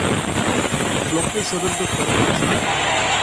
ব্লকটির সদর দপ্তর মশাটে।